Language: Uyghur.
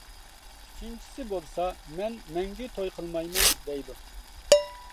ئۈچىنچىسى بولسا «مەن مەڭگۈ توي قىلمايمەن» ، دەيدۇ.